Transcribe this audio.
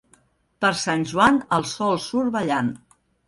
Per Sant Joan el sol surt ballant.